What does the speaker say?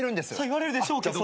言われるでしょうけども。